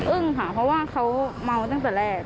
ค่ะเพราะว่าเขาเมาตั้งแต่แรก